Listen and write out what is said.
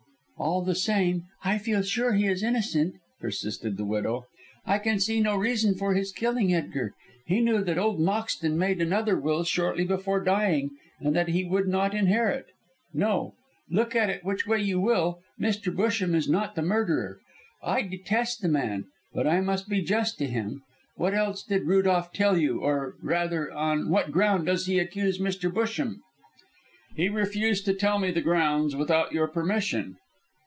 "All the same, I feel sure he is innocent," persisted the widow. "I can see no reason for his killing Edgar. He knew that old Moxton made another will shortly before dying, and that he would not inherit. No! look at it which way you will, Mr. Busham is not the murderer. I detest the man, but I must be just to him. What else did Rudolph tell you, or, rather, on what ground does he accuse Mr. Busham?" "He refused to tell me the grounds without your permission."